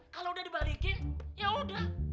kalau udah dibalikin yaudah